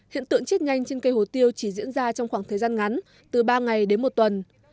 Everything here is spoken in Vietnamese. hiện tượng chết nhanh trên cây hồ tiêu chỉ diễn ra trong khoảng thời gian ngắn từ ba ngày đến một tuần